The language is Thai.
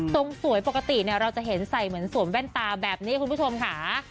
สวยปกติเราจะเห็นใส่เหมือนสวมแว่นตาแบบนี้คุณผู้ชมค่ะ